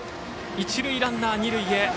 一塁ランナーが二塁へ。